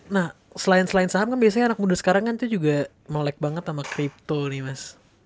nah selain selain saham kan biasanya anak muda sekarang kan tuh juga melek banget sama crypto nih mas